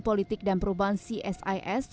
politik dan perubahan csis